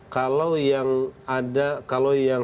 kalau yang ada kalau yang